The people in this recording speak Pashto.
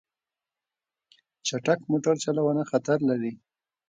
چټک موټر چلوونه خطر لري.